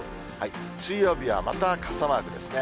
水曜日はまた傘マークですね。